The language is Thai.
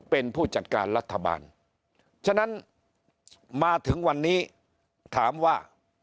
เป็นผู้จัดการรัฐบาลฉะนั้นมาถึงวันนี้ถามว่า